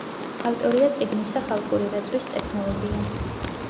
ავტორია წიგნისა ხალხური რეწვის ტექნოლოგია.